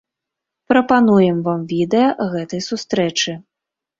Прапануем вам відэа гэтай сустрэчы.